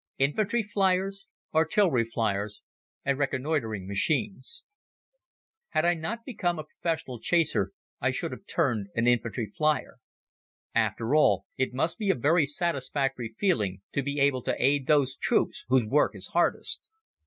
Infantry Fliers, Artillery Fliers and Reconnoitering Machines HAD I not become a professional chaser I should have turned an infantry flier. After all, it must be a very satisfactory feeling to be able to aid those troops whose work is hardest.